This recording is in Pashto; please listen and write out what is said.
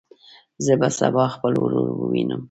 زه به سبا خپل ورور ووینم.